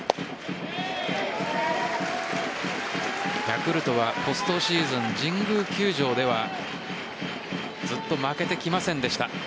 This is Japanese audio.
ヤクルトはポストシーズン神宮球場ではずっと負けてきませんでした。